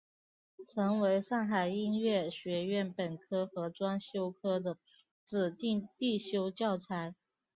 成为上海音乐学院本科和专修科的指定必修教材。